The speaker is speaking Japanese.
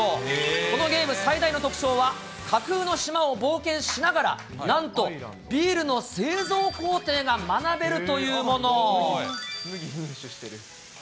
このゲーム最大の特徴は、架空の島を冒険しながら、なんとビールの製造工程が学べるというもの。